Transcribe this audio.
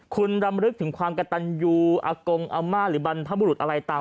คุณรำลึกถึงความกระตันยูอากงอาม่าหรือบรรพบุรุษอะไรตาม